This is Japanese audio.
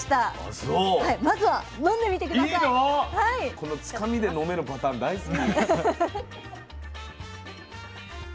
このつかみで飲めるパターン大好き。